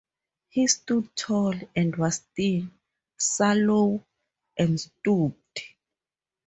He stood tall, and was thin, sallow, and stooped.